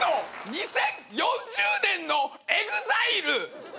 「２０４０年のＥＸＩＬＥ」